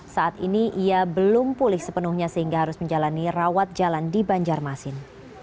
saat ini ia belum pulih sepenuhnya sehingga harus menjalani rawat jalan di banjarmasin